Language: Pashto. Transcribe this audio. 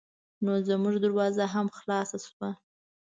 نو زمونږ دروازه هم خلاصه شوه.